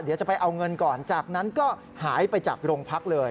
เดี๋ยวจะไปเอาเงินก่อนจากนั้นก็หายไปจากโรงพักเลย